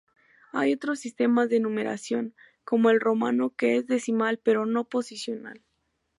Hay otros sistemas de numeración, como el romano, que es decimal pero "no-posicional".